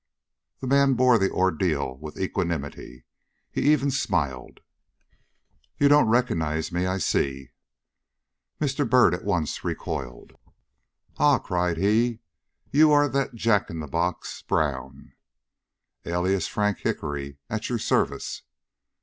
The man bore the ordeal with equanimity; he even smiled. "You don't recognize me, I see." Mr. Byrd at once recoiled. "Ah!" cried he, "you are that Jack in the box, Brown!" "Alias Frank Hickory, at your service."